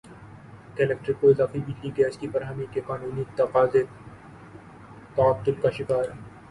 کے الیکٹرک کو اضافی بجلی گیس کی فراہمی کے قانونی تقاضے تعطل کا شکار